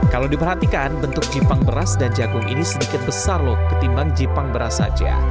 kalau diperhatikan bentuk jipang beras dan jagung ini sedikit besar loh ketimbang jipang beras saja